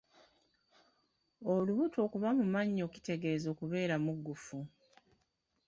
Olubuto okuba mu mannyo kitegeeza kubeera mukkufu..